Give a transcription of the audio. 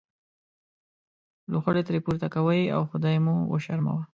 لوخړې ترې پورته کوئ او خدای مو وشرموه.